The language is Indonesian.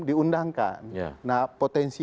diundangkan nah potensi